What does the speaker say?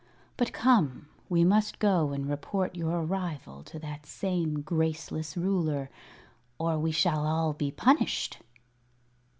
But come; we must go and report your arrival to that same graceless ruler, or we shall all be punished."